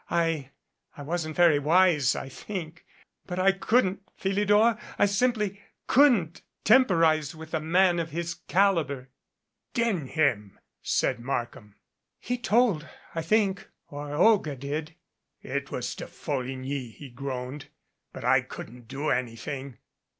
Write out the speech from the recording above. I I wasn't very wise, I think. But I couldn't, Philidor, I simply couldn't tem porize with a man of his caliber." "D n him !" said Markham. "He told I think or Olga did" "It was De Folligny," he groaned. "But I couldn't do anything.